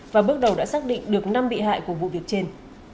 và bước đầu đã xác định được năm bị hại của vụ việc trên